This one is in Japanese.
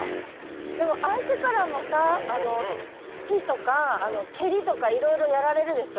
でもあいてからもさつきとかけりとかいろいろやられるでしょ？